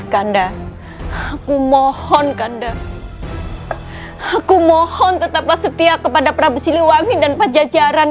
kandang aku mohon kandang aku mohon tetaplah setia kepada prabu siliwangi dan pajajaran